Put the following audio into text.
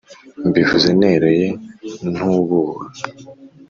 mbivuze neruye ntububa